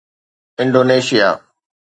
Indonesia